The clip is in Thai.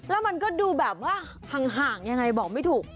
แล้วมันก็ดูแบบว่าห่างยังไงบอกไม่ถูก